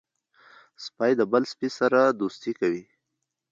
سپي د بل سپي سره دوستي کوي.